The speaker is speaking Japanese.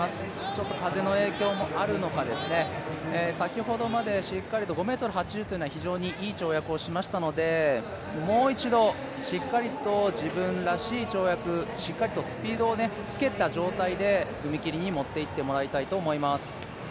ちょっと風の影響もあるのか先ほど５ｍ８０は非常にいい跳躍をしましたので、もう一度、しっかりと自分らしい跳躍、しっかりとスピードをつけた状態で踏み切りに持っていってもらいたいと思います。